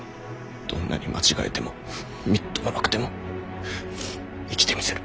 どんなに間違えてもみっともなくても生きてみせる。